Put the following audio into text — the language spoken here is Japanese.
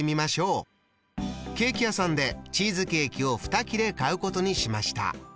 ケーキ屋さんでチーズケーキを２切れ買うことにしました。